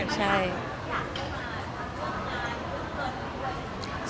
อย่างน้อยค่ะ